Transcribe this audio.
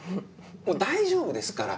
大丈夫ですから。